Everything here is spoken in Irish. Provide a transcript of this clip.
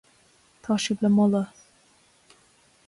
Tá sibh le moladh.